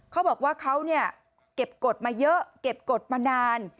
เขาบอกว่าเขาเนี่ยเก็บกฎมาเยอะเก็บกฎมานาน